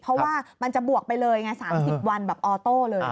เพราะว่ามันจะบวกไปเลยไง๓๐วันแบบออโต้เลย